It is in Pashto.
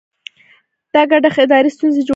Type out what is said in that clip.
دا ګډښت اداري ستونزې جوړوي.